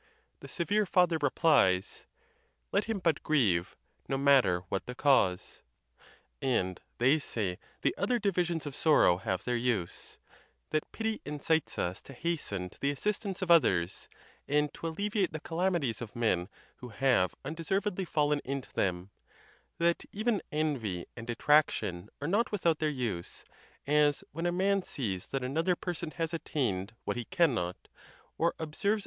the severe father replies, Let him but grieve, no matter what the cause. And they say the other divisions of sorrow have their use; that pity incites us to hasten to the assistance of others, and to alleviate the calamities of men who have unde servedly fallen into them; that even envy and detraction are not without their use, as when a man sees that another person has attained what he cannot, or observes.